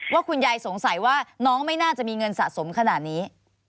ว่าคุณยายสงสัยว่าน้องไม่น่าจะมีเงินสะสมขนาดนี้